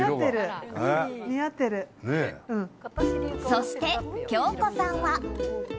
そして、京子さんは。